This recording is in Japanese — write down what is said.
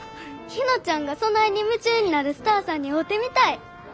ひなちゃんがそないに夢中になるスターさんに会うてみたい。